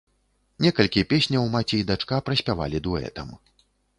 Некалькі песняў маці і дачка праспявалі дуэтам.